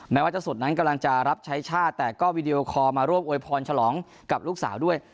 แม้ว่าเจ้าสุดนั้นกำลังจะรับใช้ชาติแต่ก็วีดีโอคอลมาร่วมโวยพรฉลองกับลูกสาวด้วย